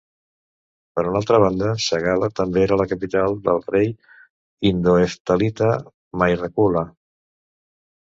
Per una altra banda, Sagala també era la capital del rei indo-heftalita Mihirakula.